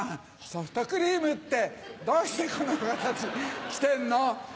ソフトクリームってどうしてこの形してんの？